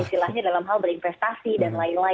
istilahnya dalam hal berinvestasi dan lain lain